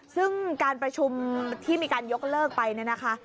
ซึ่งการประชุมที่มีการยกเลิกไปเนี่ยนะคะ